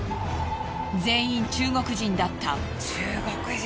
全員中国人だった。